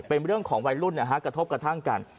เป็นเรื่องของวัยรุ่นกระทบกระทั่งกัน